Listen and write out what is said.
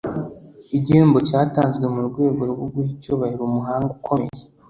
igihembo cyatanzwe mu rwego rwo guha icyubahiro umuhanga ukomeye